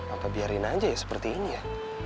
apa biarin aja ya seperti ini ya